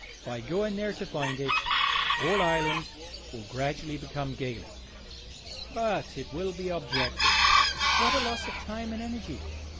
By going there to find it all Ireland will gradually become Gaelic. But, it will be objected, what a loss of time and energy!